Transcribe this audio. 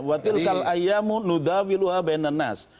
wadil kal ayamu nuda wiluha bendenas